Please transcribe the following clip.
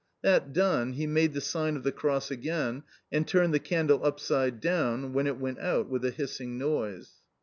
That done, he made the sign of the cross again, and turned the candle upside down, when it went out with a hissing noise.